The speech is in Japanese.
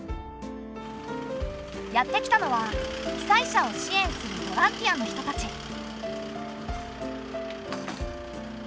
やって来たのは被災者を支援するボランティアの人たち。